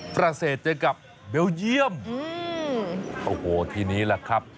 ฝรัศเจอกับเบลเยี่ยมอืมโอ้โหทีนี้แหละครับ